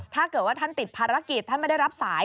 ถ้าเกิดว่าท่านติดภารกิจท่านไม่ได้รับสาย